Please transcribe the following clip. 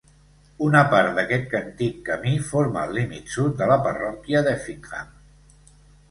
Una part d'aquest antic camí forma el límit sud de la parròquia d'Effingham.